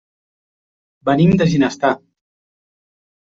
Venim de Ginestar.